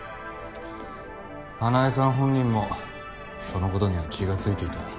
花恵さん本人もそのことには気がついていた。